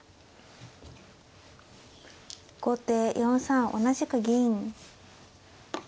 後手４三同じく銀。